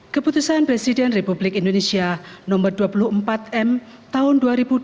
keputusan presiden republik indonesia nomor dua puluh empat m tahun dua ribu dua puluh